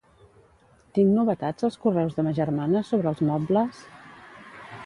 Tinc novetats als correus de ma germana sobre els mobles?